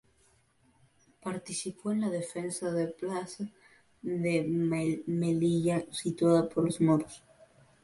Participó en la defensa de la plaza de Melilla sitiada por los moros.